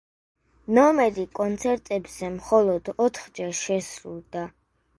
ნომერი კონცერტებზე მხოლოდ ოთხჯერ შესრულდა.